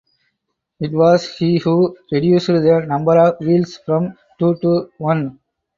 It was he who reduced the number of wheels from two to one.